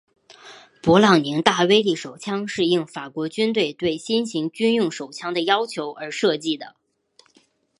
勃朗宁大威力手枪是应法国军队对新型军用手枪的要求而设计的。